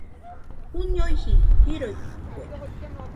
Juñoiji joroitɨkue.